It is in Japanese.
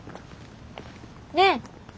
ねえ